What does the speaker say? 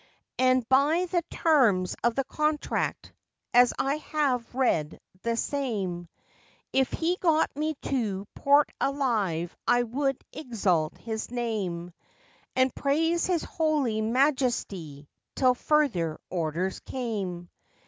An' by the terms of the Contract, as I have read the same, If He got me to port alive I would exalt His name, An' praise His Holy Majesty till further orders came.